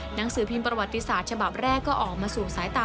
หนังสือพิมพ์ประวัติศาสตร์ฉบับแรกก็ออกมาสู่สายตา